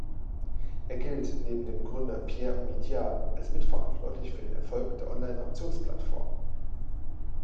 Er gilt neben dem Gründer Pierre Omidyar als mitverantwortlich für den Erfolg der Online-Auktions-Plattform.